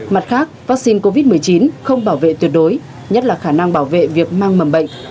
mặt khác vaccine covid một mươi chín không bảo vệ tuyệt đối nhất là khả năng bảo vệ việc mang mầm bệnh